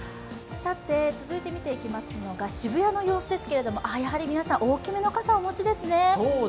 さて、渋谷の様子ですけれどもやはり皆さん、大きめの傘をお持ちですね。